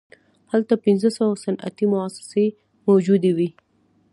هلته پنځه سوه صنعتي موسسې موجودې وې